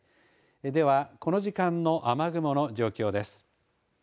ではこの時間の雨雲の状況です。